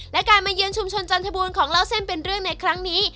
และการมาเยือนชุมชนจันทบูรณของเล่าเส้นเป็นเรื่องในครั้งนี้